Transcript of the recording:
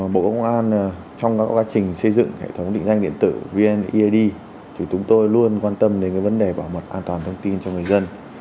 bộ công an trong các quá trình xây dựng hệ thống định danh điện tử vneid thì chúng tôi luôn quan tâm đến vấn đề bảo mật an toàn thông tin cho người dân